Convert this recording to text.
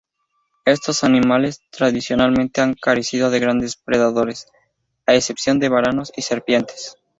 Estos animales, tradicionalmente han carecido de grandes predadores a excepción de varanos y serpientes.